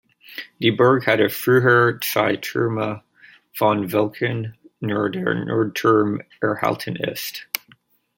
Die Burg hatte früher zwei Türme, von welchen nur der Nordturm erhalten ist.